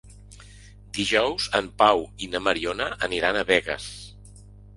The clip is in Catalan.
Dijous en Pau i na Mariona aniran a Begues.